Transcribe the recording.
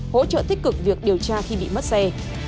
hỗ trợ tích cực việc điều tra khi bị mất xe